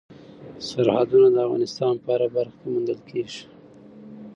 سرحدونه د افغانستان په هره برخه کې موندل کېږي.